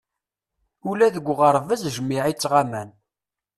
Ula deg uɣerbaz jmiɛ i ttɣaman.